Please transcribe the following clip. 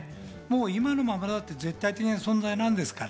今だって絶対的な存在なんですから。